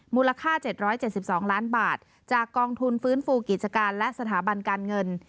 มูลค่า๗๗๒ล้านบาทจากกองทุนฟื้นฟูกิจการและสถาบันการเงิน